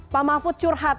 pak mahfud curhat